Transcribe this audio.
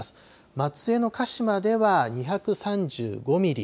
松江の鹿島では、２３５ミリ。